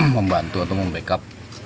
membantu atau membackup